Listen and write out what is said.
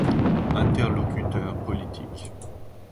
Interlocuteur politique.